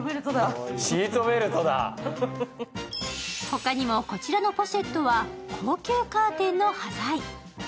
他にも、こちらのポシェットは高級カーテンの端材。